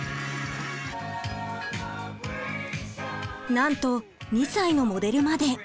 なんと２歳のモデルまで！